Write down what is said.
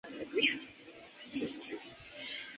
Nadie busca la verdad.